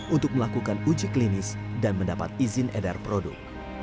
untuk melakukan uji klinis dan mendapat izin edar produk